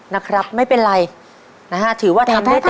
นะครับไม่เป็นไรถือว่าทำได้เต็มที่แล้ว